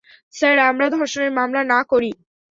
Sir, আমরা ধর্ষণের মামলা না করি।